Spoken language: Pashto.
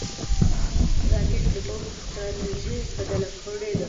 راکټ د پوځ ستراتیژي بدله کړې ده